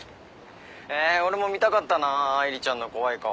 え俺も見たかったな愛梨ちゃんの怖い顔。